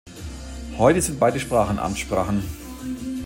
Heute sind beide Sprachen Amtssprachen.